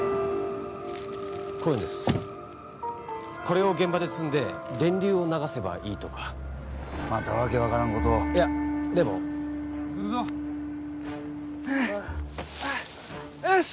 こういうのですこれを現場で積んで電流を流せばいいとかまたわけ分からんことをいやでも行くぞよし